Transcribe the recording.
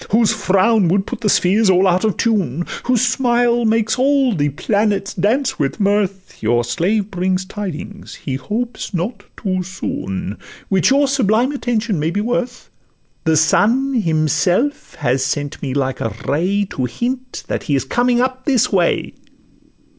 Whose frown would put the spheres all out of tune, Whose smile makes all the planets dance with mirth, Your slave brings tidings—he hopes not too soon— Which your sublime attention may be worth: The Sun himself has sent me like a ray, To hint that he is coming up this way.